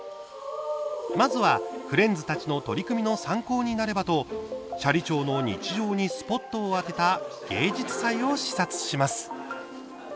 まずは、フレンズたちの取り組みの参考になればと斜里町の日常にスポットを当てた芸術祭を視察します。